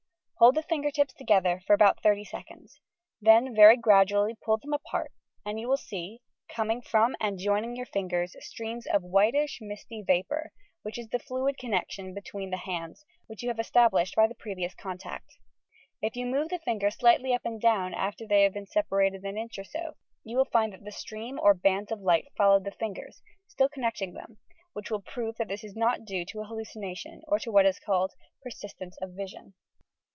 Hold the finger tips together for about 30 seconds ; then very gradually pull them apart and you will see, coming from and joining your fingers, streams of whitish, miaty vapour, which is the fluid connection between the hands, which you have established by the previous contact. If you move the fingers slightly up and down, after they have been separated an inch or so, you will find that the streams or bands of light follow the fingers, still con necting them, which will prove that it is not due to hal lucination or to what is called "persistence of vision."